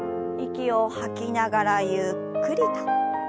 息を吐きながらゆっくりと。